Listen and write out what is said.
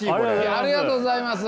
ありがとうございます。